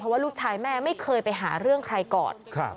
ว่าลูกชายแม่ไม่เคยไปหาเรื่องใครก่อน